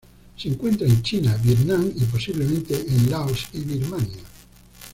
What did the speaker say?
Se encuentra en China, Vietnam y, posiblemente en Laos y Birmania.